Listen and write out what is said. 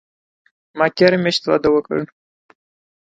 ما تیره میاشت واده اوکړ